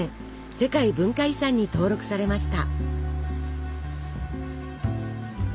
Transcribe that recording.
世界文化遺産に登録されました。